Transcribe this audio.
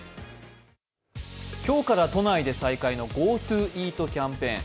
今日から都内で再開のＧｏＴｏイートキャンペーン。